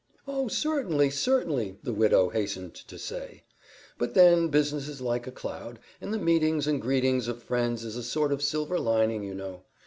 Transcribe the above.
"Oh, certainly, certainly!" the widow hastened to say, "but then business is like a cloud, and the meetings and greetings of friends is a sort of silver lining, you know.